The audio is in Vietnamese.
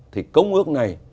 thì công ước này